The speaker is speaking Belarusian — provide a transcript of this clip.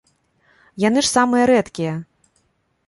Яны ж самыя рэдкія.